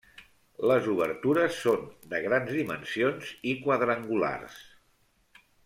Les obertures són de grans dimensions i quadrangulars.